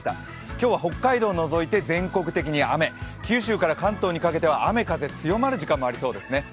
今日は北海道を除いて全国的に雨九州から関東にかけては雨風強まる時間もありますね。